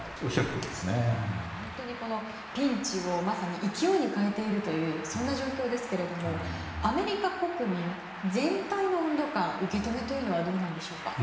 本当にピンチをまさに勢いに変えているという状況ですけどもアメリカ国民全体の受け止めはどうなんでしょうか。